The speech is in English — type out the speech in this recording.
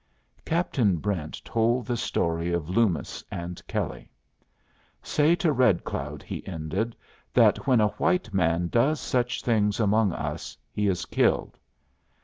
Captain Brent told the story of Loomis and Kelley. "Say to Red Cloud," he ended, "that when a white man does such things among us, he is killed.